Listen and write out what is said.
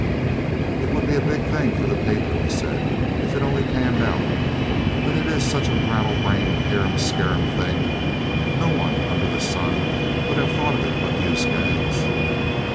"It would be a big thing for the paper," he said, "if it only panned out; but it is such a rattle brained, harum scarum thing. No one under the sun would have thought of it but you, Skaggs."